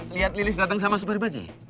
lihat lilis datang sama superbaji